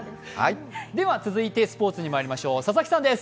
続いてスポーツにまいりましょう。